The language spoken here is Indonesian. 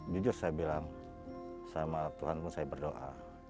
jujur saya bilang sama tuhan pun saya berdoa